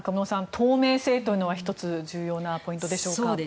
透明性というのは１つ重要なポイントでしょうか。